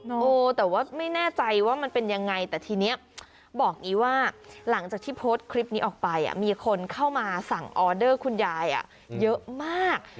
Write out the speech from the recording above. เออแต่ว่าไม่แน่ใจว่ามันเป็นยังไงแต่ทีนี้บอกงี้ว่าหลังจากที่โพสต์คลิปนี้ออกไปมีคนเข้ามาสั่งออเดอร์คุณยายเยอะมาก